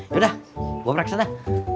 yaudah gue periksa dah